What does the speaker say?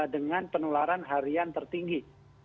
dengan penularan harian tertinggi